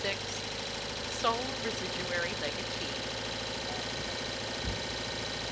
SOLE RESIDUARY LEGATEE.